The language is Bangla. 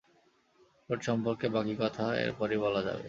চোট সম্পর্কে বাকি কথা এরপরই বলা যাবে।